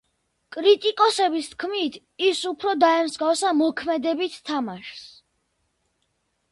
კრიტიკოსების თქმით, ის უფრო დაემსგავსა მოქმედებით თამაშს.